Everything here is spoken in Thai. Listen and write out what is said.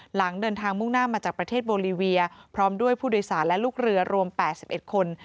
หลังเดินทางมุ่งหน้ามาจากประเทศโบลีเวียพร้อมด้วยผู้โดยสารและลูกเรือรวม๘๑คน